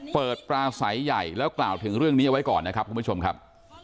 ปลาใสใหญ่แล้วกล่าวถึงเรื่องนี้เอาไว้ก่อนนะครับคุณผู้ชมครับ